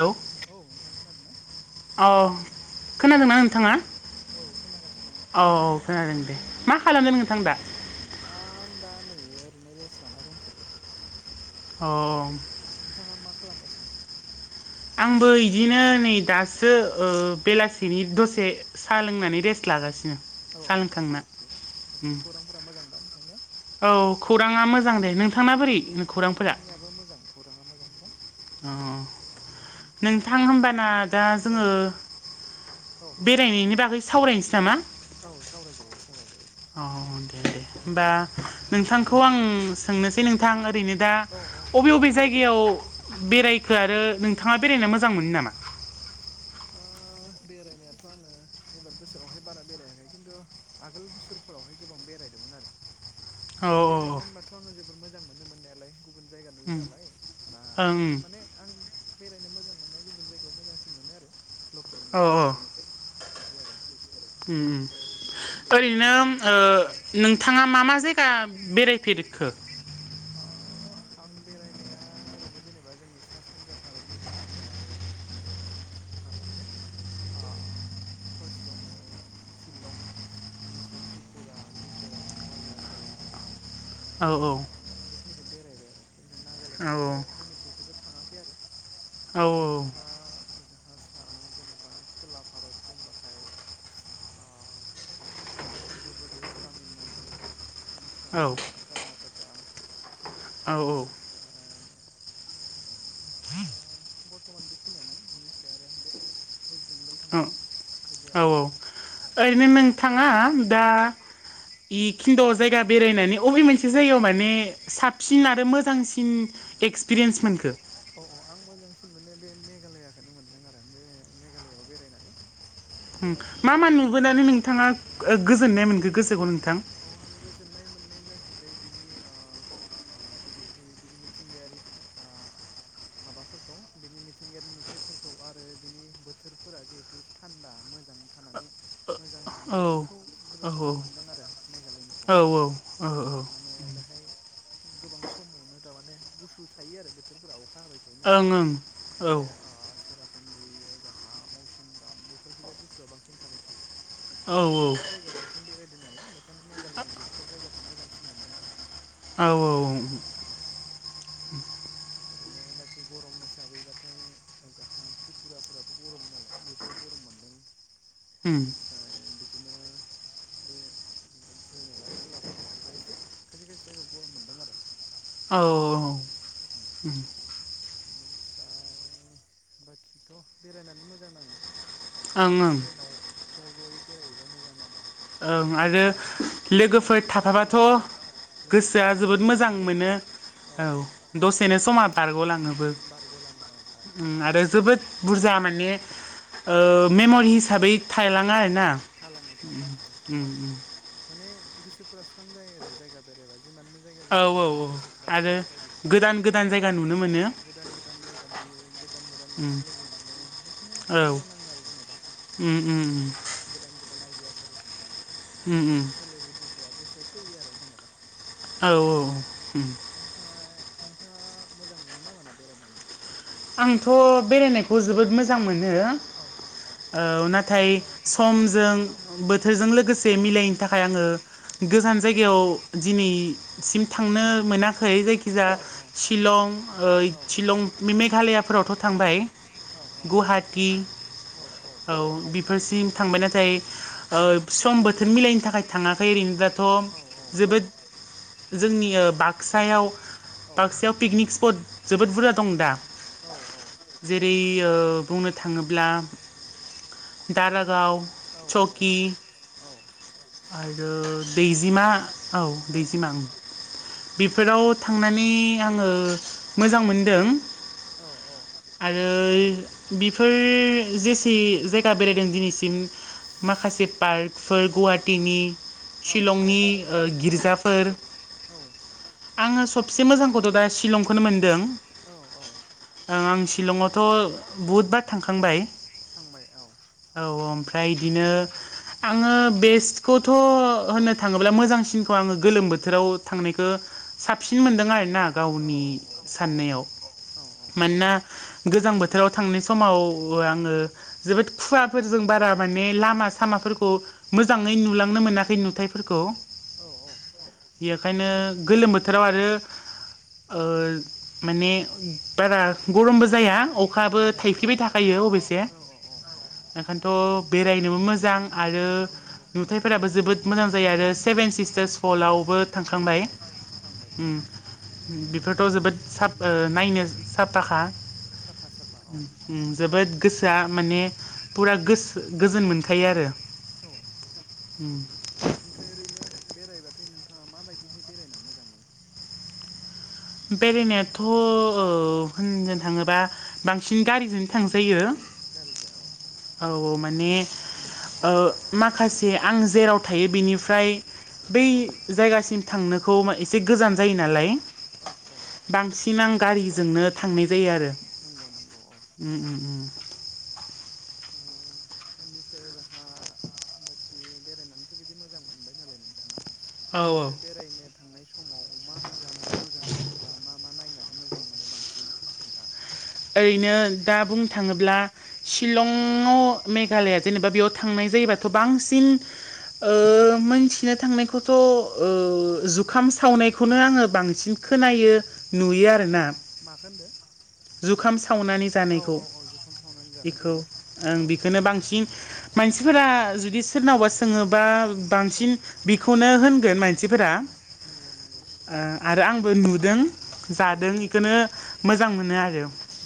Hello औ नोंथां खोनादो ना औ खोनादोंना नोंथाङा खोनागासिनो आङो औ औ खोनादों दे मा औ खालामदों नोंथां दा आं दा नै ओरैनो रेस्ट लाना दंथयो औ नोंथाङा मा खालामगासिनो आंबो इदिनो नै दासो ओ बेलासिनि दसे साहा लोंनानै रेस्ट लागासिनो औ साहा औ दे दे लोंखांना दे थिगानो उम बाखि खौरांफोरा मोजांबा नोंथांनिया औ खौरांङा मोजां दे नों अ अ आंनियाबो मोजां खौरांङा मोजांथ अ अ ओमफ्राय नोंथां होमबाना दा औ जोङो औ बेरायनायनि बागै सावरायनोसै नामा औ सावराय जायो औ दे दे होमबा नोंथांखौ आं सोंनोसै नोंथां ओरैनो दा औ औ दे अबे औ अबे जायगायाव बेरायखो आरो नोंथाङा बेरायनो मोजां मोनो नामा ओ बेरायनायाथ आंङो एबार बोसोरावहाय बारा बेरायाखै खिन्थु आगोल बोसोरफोरावहाय गोबां बे -रायदोंमोन आरो औ ओमफ्राय बेरायनो होनबाथ आंङो जोबोर मोजां मोनो मोननायालाय गुबुन जायगा नुयो नालाय बा औ उम माने आं बेरायनो मोजां मोननाया गुबुन जायगायाव मोजांसिन मोनो आरो ओं उम औ लकेलनिसाय बिदि आरो बेनिफ्राय ओरैनो आं बेरायनाय ओरैनोम होनोबा ओ औ औ नोंथाङा मा मा जायगा बेराय फेरखो अ आं बेरायनाया ओरैनो जेनेबा जोंनि सा सानजा भारतनि होनबाथाय बे माबाखो अ फार्स्टआवनो शिल्लं बेनिफ्राय त्रिपुरा मिज'राम अरणाचल औ औ बेखिनिखो बेरायबाय आरो बेनफ्राय औ नागालेण्डखौसो मनिपुरखौसो थांङाखै आरो औ ओमफ्राय जाहा जाहाज ओ जेनेबा खोला भारत बुंबाथाय आ अन्ध्र प्रदेश तामिलनाडु औ ओमफ्राय कर्नाटका औ बिनिफ्राय आ बर्तमान बेखिनियानो बेनिफ्राय आरो बे वेस्ट बेंगल औ थांबाय बिदि औ आरो औ औ ओरैनो नोंथाङा दा इ खिन्द जायगा बेरायनानै अबे मोनसे जायगायाव माने साबसिन आरो मोजांसिन एक क्सपिरियन्स मोनखो अ अ आं मोजांसिन मोनो बे मेगालयाखोनो मोन्दों आरो बे मेगालयाव बेरायनानै बे उम मा मा मेघालआव नुुबोनानो नोंथाङा ओ गोजोननाय मोनखो गोसोखौ नो औ आं गोजोननाय मोननाय जायो, बे बिनि ओ ओ गुबैहै बिनि मिथिंगायारि आ माबाफोरखौ बिनि मिथिंगायारि नुथायाइफोरखौ आरो बिनि बोथोरफोरा जिहेथु थान्दा मोज मोजां थानानै मोजां नाङो औ बेफोर खौ औ जोबोर मोजां मोन्दों आरो मेगालयनिखौ औ औ माने बेहाय गोबां समावनो थामाने गुसु थायो आरो बोथोरफोराव होबाय थायो औ नालाय ओं ओ ओं औ बे सेराप हा मौसिनराम बेफोरखिजा गुसुआ बांसिन थाबाय थायो आं औ माने बेफोर जायगायाव बांसिन बेरायदों नालाय, ओंखायनो मेघालयनि बेफोर जायगाखो मोजांसिन मोनदों आरो औ औ ओं औ ओरैनो बाखि गरम हिसाबैबाथाय जाहा त्रिपुराफोराबो गरम नालाय बेखौ गरम मोनदों उम औ इनिफ्राय बिदिनो, बे जेनेबा खोला भारतखैजाय इसे खायसे खायसे जायगायाव गरम मोनदों आरो औ औ, इनिफ्राय बाखिथ' बेरायनानै मोजां नाङो, ओं बे ट्रेनाव ज' ज'यै बेरायहैबा मोजां नाङो, ओं आरो लोगोफोर गारिफोरजों औ थाफाबाथ' औ लोगोफोर गोसोआ थाफाबा जोबोद मोजां नाङो मोनो औ दसेनो समा बारग'लाङोबो बारग'लाङो औ औ ओम आरो जोबोद, बुरजा माने ओ मेमरि हिसाबै थायलां आर थालाङो थालाङो औ औ माने गोसोफोरा स्रां जायो आरो जायगा बेरायबा, जिमाननो जायगा बेरायो मानो औ औ गोसोफ्रा स्रां जायो गोदान गोदान ओम ओम जायगा नुनो मोनो गोदान गोदान जायगा नुनो मोनो गोदान गोदान जायगा नुय गोदान गोदान उम मानसे लोगो मोनो बेखायनो मोजां नाङो आरो जेनेबा, ओम ओम गोदान गोदान आइदियाफोर ओ उम सोलो बुदिफोरा गोसोआव फैयो आरो जेनेबा, औ औ ओम ओमफ्राय नोंथाङा मोजां मोनो ना मोना ना बेरायनानै? आंथ' बेरायनायखौ जोबोद मोजां मोन नो औ औ औ नाथाय ओमफ्राय औ समजों बोथोरजों मिलाय, थाखाय आङो गोजान जायगायाव दिनैसिम थांनो मोना खै जायखिजाया औ औ शिलं ओयद शिलं मेघालयाफोरावथ' थांबाय, औ गुवाहाटि औ बिफोरसिम थांबाय नाथाय, ओ उम उम सम बोथोर मिलायनि थाखाय थाङाखै ओरैनो बाथ' औ जोबोद जोंनि बाक्सायाव औ बाक्सायाव पिकनिक स्पट जोबोद बुरजा दं दा औ औ यो बुंनो थाङोब्ला दारा दारागाव औ सकि आरो दैजिमा, औ दैजिमा बेफोराव थांनानै आङो मोजां मोनदों, आरो बेफोर जेसे जायगा बेरायदों दिनैसिम, माखासे पार्कफोर गुवाहाटिनि शिलंनि औ गिर्जाफोर औ आङो सब सबसे मोजांखौथ' दा शिलंखौनो मोन्दों, औ औ आं शिलंआवथ' बुहुदबार थांखांबाय, थांबाय औ औ औ ओमफ्राय बिदिनो आङो, बेस्टखौथ' होननो थांङोब्ला मोजांसिनखौ आंङो गोलोम बोथोराव थांनायखौ साबसिन मोनदों आरोना औ गावनि साननायाव। औ ना गोजां बोथोराव थांनाय समाव आंङो जोबोद खुवाफोरजों बारा माने लामा सामाफोरखौ मोजाङै नुलांनो मोनाखै नुथायाइफोरखौ। औ औ। बेखायनो गोलोम बोथोराव आरो ओ माने बारा गरमबो जाया। अखाबो जाया औ थाइफ्रिबाय थाखायो अबयसे औ औ औ ओंखायनोथ' बेरायनोबो मोजां। आरो नंगौ नंगौ नुथायाइफोराबो जोबोद मोजां जायो आरो सेभेन औ सिस्टार्स पलावबो औ थांखांबाय। औ थांबाय उम औ उम बेफोरथ' जोबोद साब नायनो साफाखा साफा साफा औ उम जोबोद गोसोआ माने फुरा गोसो गोजोन मोनखायो आरो। औ उम ओमफ्राय ओरैनो बेरायबा नोंथांङा माबायदिहै बेरायना मोजां मोनो? बेरायनायाथ' ओ होननो थांङोबा बांसिन गारिजों थांजायो। गारिजों औ औ औ माने उम ओ माखासे आं जेराव थायो बिनिफ्राय बै औ जायगासिम थांनोखौ एसे गोजान जायो नालाय औ औ बांसिन आं गारिजोंनो थांनाय जायो आरो नंगौ नंगौ औ उम उम उम। ओ [inaudible] बेनिफ्राय राहा बाखि बेरायनानैथ' बिदि मोजां मोनबाय नालाय नोंथाङा। औ औ बेनिफ्राय बेरायनो थांनाय समाव मा मा जानानै मोजां मोनो बा मा मा नायनानै मोजां मोनो बांसिन नोंथां? ओरैनो दा बुंनो थांङोब्ला चिलंआव मेघालया जेनेबा बेयाव थांनाय जायोबाथ' बांसिन ओ मोनथिनो थांनायखौथ' ओ जुखाम सावनायखौनो आंङो बांसिन खोनायो नुयो आरो ना। माखौ होनदों? जुखाम सावनानै जानायखौ। औ औ जुखाम सावनानै जानाय बेखौ आं औ बेखोनो बांसिन मानसिफोरा जुदि सोरनावबा सोङोबा औ बांसिन बि खौनो होनगोन मानसिफोरा। नंगौ नंगौ। ओ आरो आंबो नुदों औ जादों औ इखोनो मोजां मोनो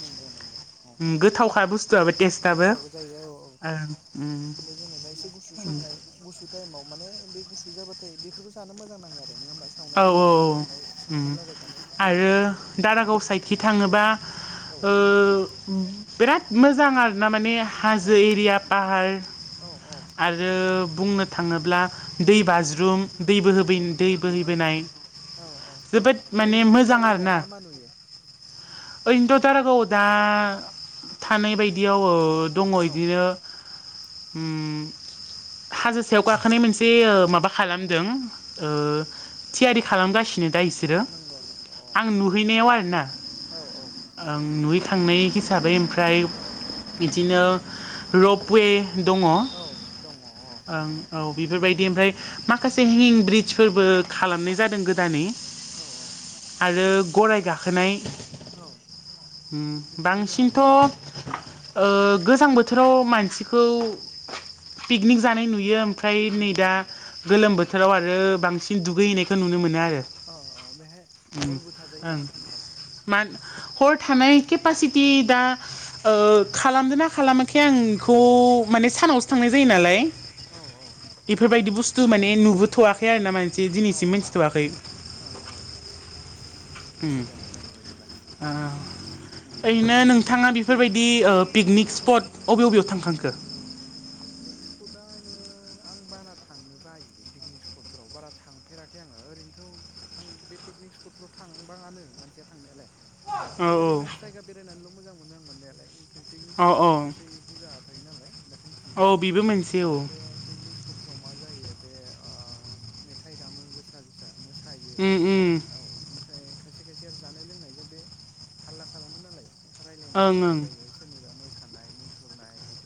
नंगौ नंगौ औ गोथावखा बुस्थुआबो टेस्टआबो गोथाव जायो औ ओं उम। बे जेनेबा एसे गुसु समाव गुसु टाइमाव माने बे गुसु जाबाथाय बेफोरखौ जानो मोजां नांङो आरो। नङा होमबा औ सावनाय गुदुं औ औ गुदुं सावनाय उम संख्रि लागायनानै आरो औ दारागाव साइडखि थांङोबा औ ओ बिराद मोजां आरोना माने औ हाजो एरिया पाहार औ औ आरो बुंनो थांङोब्ला दै उम बाज्रुम दैबो होबै नंगौ दै नंगौ औ हैबोनाय औ औ जोबोद माने ओरैनो मोजां दारागावआव आरोना। मा मा नुयो ओरैनोथ' दारागाव थानाय बायदियाव ओ दंङ औ इदिनो उम हाजो सायाव गाखोनाय मोनसे ओ माबा खालामदों ओ थियारि खालामगासिनो दा इसोरो नंगौ नंगौ औ आं नुहैनायाव आरोना औ औ आं नुहै थांनाय हिसाबै ओमफ्राय औ बिदिनो रुपवे औ दंङ अ। ओं औ बेफोरबायदि ओमफ्राय माखासे हें ब्रिजफोरबो खालामनाय जादों गोदानै। औ औ। आरो गराय गाखोनाय बेफोरबो दं बांसिनथ' आरोना ओ गोजां बोथोराव मानसिखौ पिकनिक जानाय नुयो। ओमफ्राय नै नंगौ दा नंगौ औ गोलोम औ बोथोराव आरो बांसिन दुगैहैनायखौ नुनो मोनो आरो। औ औ बेहाय उम हरबो थाजायो ओं नामा नोंथां? मान हर थानाय केपासिटि दा खालामदों ना खालामाखै आं बेखौ। माने सानावसो थांनाय जायो नालाय। औ औ बेफोरबायदि बुस्थु माने नुबोथ'वाखै आरो ना माने। जे औ दिनैसिम औ मोनथिथ'वाखै औ औ थिगानो दङ बिदिबा ओ [unintelligible] ओरैनो नोंथाङा उम बेफोरबायदि पिकनिक स्पट बबे बबेयाव थांखांखो। पिकनिक स्पटा आंङो आं बारा थांनो बायो पिकनिक स्पटफोराव बारा थांफेराखै। आंङो ओरैनोथ' आं बे पिकनिक स्पटफ्राव थांबाङानो मानसिया थांनायालाय औ ओमफ्राय औ ओरैनो जायगा बेरायनानैल' मोजां मोनो आं मोननायालाय माने औ औ पिकनिस्पटफोराव मानसि बुरजा थायो नालाय। बेखायनो औ थांबायो बेबो मोनसे औ बे पिकनिक स्पटफोराव मा जायो? बे मेथाइ दामो गोसा गोसा मोसायो उम औ उम ओमफ्राय खायसे खायसे आरो जानाय लोंनायजों बे हालला खालामो नालाय रायलायनाया ओं बारा ओं जायो सोरनिबा मो सानाय मुसुरनाय बिदि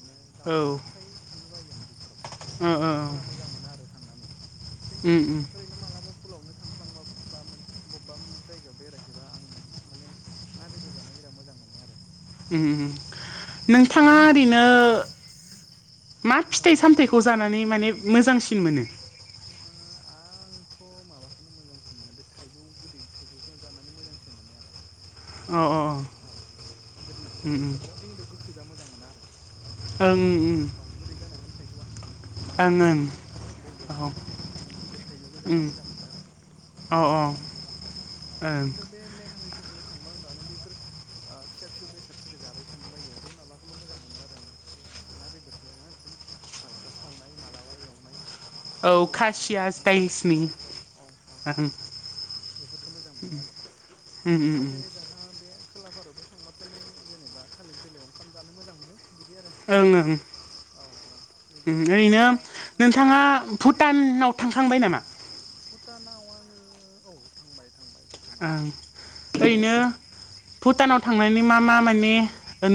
औ थांनो बायो आं बेफोराव ओ ओ बारा मोजां मोना आरो थांनानै खिन्थु उम उम ओरैनो मालाबा भुलावनो थांफ्लांबाबो बा मोन बबेबा जायगायाव बेरायहैबा आं माने ना बेदर जानो बिराद मोजां मोनो आरो। औ औ नोंथाङा ओरैनो मा औ फिथाइ सामथायाइखौ जानानै माने मोजांसिन मोनो। ओ आंथ' माबाखौननो मोजांसिन मोनो बे थाइजौ गोदै थाइजौखौ जानानै मोजांसिन मोनो आरो। अ अ अ जानानै औ गोदैबाथाय उम थाइजौखिन्थु गोखैबा मोजां मोना आरो। उम गोदै जानांगोन थाइजौआ ओं होमबाथाय [unintelligible] ओं बेजेया खम बिदि गिदिर बेखौ जाना ओं मोजां मोनो आरो औ औ फाननाय औ बेफोरखौ ओं सानैसो खालि थांब आं दानो बेफोर फिसा फिसौ बेसादफोरखौ जाबाय थानो बायो बेै माबाखौल' मोजां मोनो आरो। आरो आंङो बे ना बेदरखौ एकदम माबलाबा सावनाय मालाबा एवनाय औ बरिया खासियास मोजां मोनो औ औ औ औ बेफोरखौ मोजां मोनो आरो। उम उम जै जोंहा बे खोला भारताव थांबाथ' नों जेनेबा थालिर बिलाइयाव ओंखाम जानो मोजां मोनो। बिदि आरो ओं ओं औ औ बे जेनेबा ओरैनो बेखिजा गोबां नोंथाङा जायगायाव औ भुटानाव थांखांबाय नामा? भुटानाव आं औ थांबाय। थांबाय भुटानाव औ ओं ओ ओरैनो भुटानाव। थांनानै मा मा माने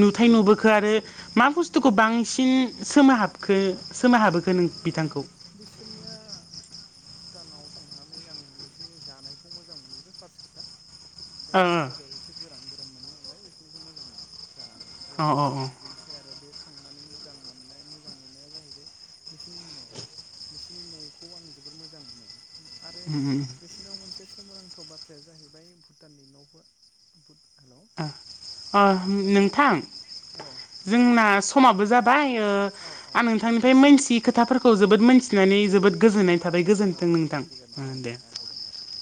नुथाय नुबोखो? आरो मा बुस्थुखौ बांसिन सोमोहाब हाबखो सोमाहाबबोखो नों बिथांखौ बिसोरनिया भुटानाव थांनानै आं बिसोरनि जानायखौ मोजां मोनोबोदों फार्स्ट खोथा। बे बेदर एसे गोरान गोरान मोनो नालाय बिसोरनिखौ मोजां मोनो। जानानै ओ ओ अ एवनायफोरखौ बिनिफ्राय आरो बे थांनानै मोजां मोननाय मोजां नुनाया जाहैबाय बिसोरनि न'। बिसिनि न'खौ आं जोबोर मोजां मोनो आरो उम उम बिसिनाव मोनसे सोमोनांथाव बाथ्राया जाहैबाय भुटाननि न'फोर हेलौ खोनादोंना नोंथां नोंथां जोंना समाबो जाबाय। ओमफाय औ औ आं नोंथांनिफ्राय मोनथियै खोथाफोरखौ जोबोद मोनथिनानै जोबोद गोजोननाय औ थाबाय औ दे गोजोन्थों दे दे नोंथां थिगानो ओ औ दे जागोन दे नोंथां।